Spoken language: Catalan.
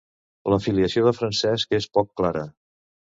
La filiació de Francesc és poc clara.